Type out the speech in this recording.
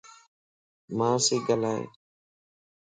مان سي گالائي